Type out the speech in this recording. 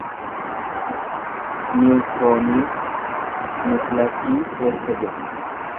Niyutirooniin nukilaasii keessa jira.